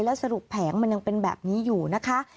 สรุปแผงมันยังเป็นแบบนี้อยู่นะคะ